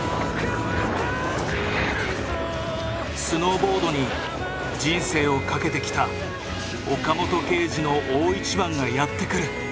スノーボードに人生をかけてきた岡本圭司の大一番がやって来る。